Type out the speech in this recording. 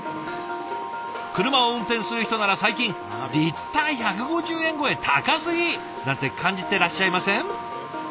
車を運転する人なら最近「リッター１５０円超え高すぎ！」なんて感じてらっしゃいません？